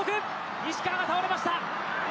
西川が倒れました。